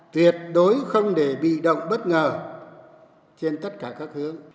tuyệt đối không để bị động bất ngờ trên tất cả các hướng